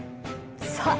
さあ！